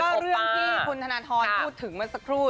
แล้วก็เรื่องที่คุณธนทรพูดถึงมาสักครู่